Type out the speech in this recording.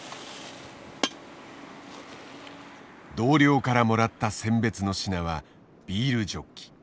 同僚からもらったせん別の品はビールジョッキ。